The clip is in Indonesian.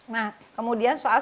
nah kemudian soal